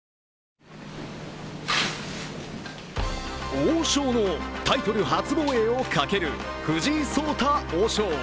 王将のタイトル初防衛をかける藤井聡太王将。